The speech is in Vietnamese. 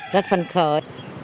rất phân khởi